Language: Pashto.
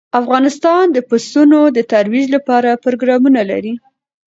افغانستان د پسونو د ترویج لپاره پروګرامونه لري.